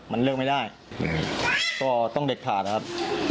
มันเลิกไม่ได้ก็ต้องเด็ดขาดนะครับ